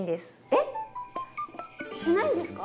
えっしないんですか？